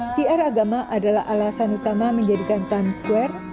siar agama adalah alasan utama menjadikan times square